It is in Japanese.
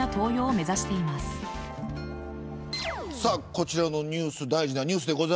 こちらのニュース大事なニュースです。